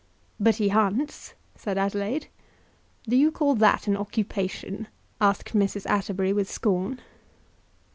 "But he hunts," said Adelaide. "Do you call that an occupation?" asked Mrs. Atterbury with scorn.